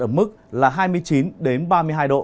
ở mức là hai mươi chín ba mươi hai độ